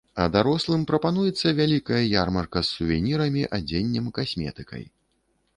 А дарослым прапануецца вялікая ярмарка з сувенірамі, адзеннем, касметыкай.